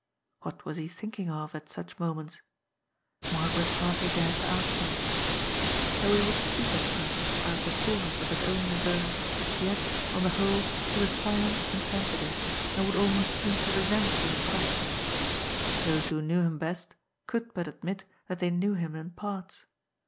What was he thinking of at such moments? Margaret hardly d^red to ask him. Though he would speak at times, out of the fulness of his own reserve, yet, on the whole, he was silent and sensitive, and would almost seem to resent being questioned. Those who knew him best could but admit that they knew him in parts.